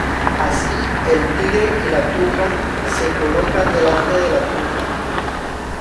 Así, el tigre y la thuja se colocan delante de la tumba.